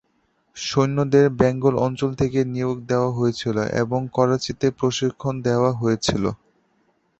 সৈন্যদের বেঙ্গল অঞ্চল থেকে নিয়োগ দেওয়া হয়েছিল এবং করাচিতে প্রশিক্ষণ দেওয়া হয়েছিল।